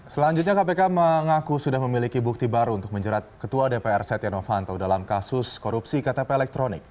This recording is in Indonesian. selanjutnya kpk mengaku sudah memiliki bukti baru untuk menjerat ketua dpr setia novanto dalam kasus korupsi ktp elektronik